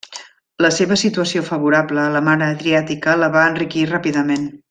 La seva situació favorable a la mar Adriàtica la va enriquir ràpidament.